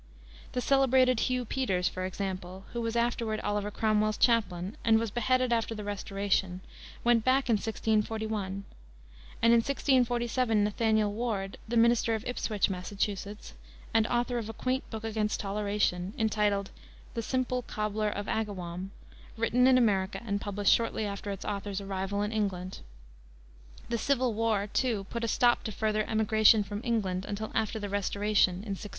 The celebrated Hugh Peters, for example, who was afterward Oliver Cromwell's chaplain, and was beheaded after the Restoration, went back in 1641, and in 1647 Nathaniel Ward, the minister of Ipswich, Massachusetts, and author of a quaint book against toleration, entitled The Simple Cobbler of Agawam, written in America and published shortly after its author's arrival in England. The Civil War, too, put a stop to further emigration from England until after the Restoration in 1660.